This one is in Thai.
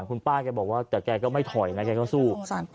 คุณป้าแกบอกว่าแต่แกก็ไม่ถอยนะแกก็สู้